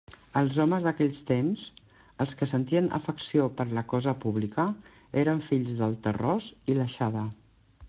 Els homes d'aquells temps, els que sentien afecció per la cosa pública, eren fills del terròs i l'aixada.